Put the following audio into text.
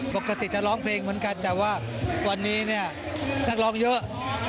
ปกติจะร้องเพลงเหมือนกันแต่ว่าวันนี้เนี่ยนักร้องเยอะ